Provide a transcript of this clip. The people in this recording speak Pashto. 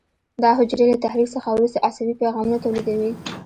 دا حجرې له تحریک څخه وروسته عصبي پیغامونه تولیدوي.